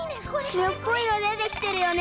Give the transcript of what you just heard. しろっぽいのでてきてるよね。